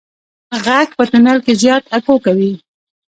غږ په تونل کې زیات اکو کوي.